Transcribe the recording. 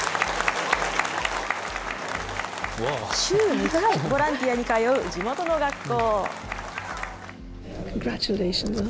週２回ボランティアに通う地元の学校。